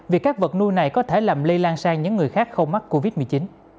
vì các vật nuôi này có thể làm lây lan sang những người khác không mắc covid một mươi chín